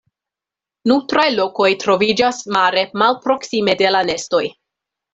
Nutraj lokoj troviĝas mare malproksime de la nestoj.